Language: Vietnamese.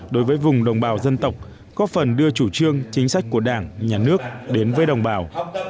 đối với vùng đồng bào dân tộc góp phần đưa chủ trương chính sách của đảng nhà nước đến với đồng bào